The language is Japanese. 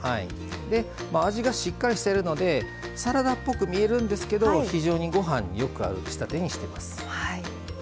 味がしっかりしてるのでサラダっぽく見えるんですけど非常にご飯によく合う仕立てにしています。